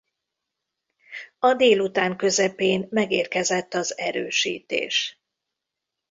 A délután közepén megérkezett az erősítés.